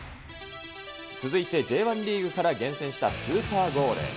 続いて、Ｊ１リーグから厳選したスーパーゴール。